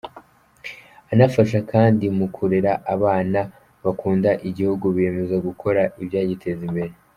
Anafasha kandi mu kurera abana bakunda igihugu biyemeza gukora ibyagiteza imbere.